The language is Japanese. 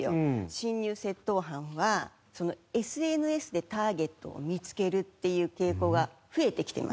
侵入窃盗犯はＳＮＳでターゲットを見つけるっていう傾向が増えてきています。